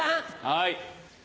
はい。